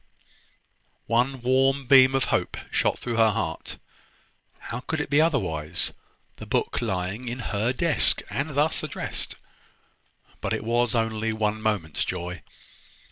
One warm beam of hope shot through her heart: how could it be otherwise, the book lying in her desk, and thus addressed? But it was only one moment's joy.